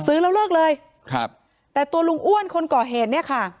ซื้อแล้วเลิกเลยครับแต่ตัวลุงอ้วนคนก่อเหตุเนี่ยค่ะ